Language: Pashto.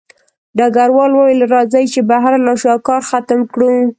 ډګروال وویل راځئ چې بهر لاړ شو او کار ختم کړو